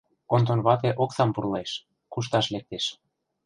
Онтон вате оксам пурлеш, кушташ лектеш.